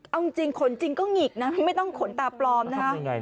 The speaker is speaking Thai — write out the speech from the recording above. เอาจริงขนจริงก็หงิกนะไม่ต้องขนตาปลอมนะฮะ